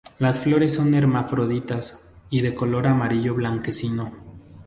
Las flores son hermafroditas y de color amarillo blanquecino.